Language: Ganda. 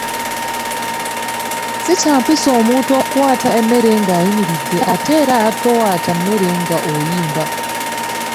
Si kya mpisa omuntu okuwaata emmere ng’ayimiridde ate era towaata mmere ng’oyimba.